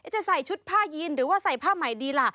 จะใส่ชุดผ้ายีนหรือว่าใส่ผ้าใหม่ดีล่ะ